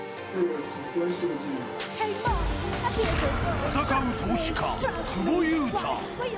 闘う投資家、久保優太。